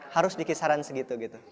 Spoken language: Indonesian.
harus di kisaran segitu